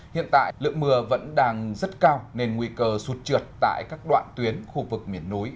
hiện tại lượng mưa vẫn đang rất cao nên nguy cơ sụt trượt tại các đoạn tuyến khu vực miền núi